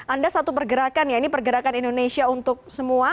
anda satu pergerakan ya ini pergerakan indonesia untuk semua